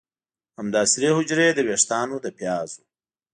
همدا سرې حجرې د ویښتانو د پیازو